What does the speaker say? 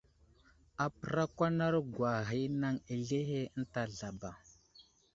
Apərakwanarogwa ghay i anaŋ azlehe ənta zlaba.